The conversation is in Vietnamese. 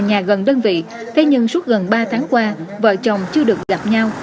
nhà gần đơn vị thế nhưng suốt gần ba tháng qua vợ chồng chưa được gặp nhau